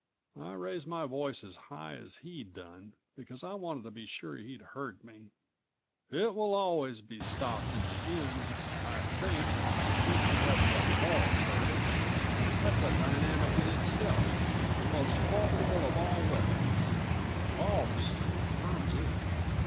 I raised my voice as high as he'd done, because I wanted to be sure he'd hear me. "It will always be stopped in the end, I think if you have enough moral courage. That's a dynamic in itself, the most formidable of all weapons. All history confirms it."